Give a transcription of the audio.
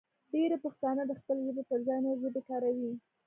ډېری پښتانه د خپلې ژبې پر ځای نورې ژبې کاروي.